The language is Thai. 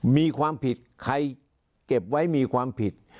มีความผิดใครเก็บไว้มีความผิด